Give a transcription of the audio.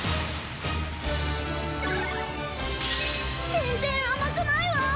全然甘くないわ。